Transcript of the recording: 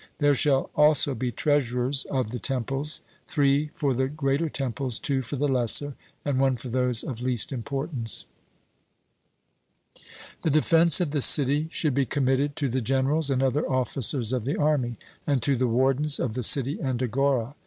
There shall also be treasurers of the temples; three for the greater temples, two for the lesser, and one for those of least importance. The defence of the city should be committed to the generals and other officers of the army, and to the wardens of the city and agora.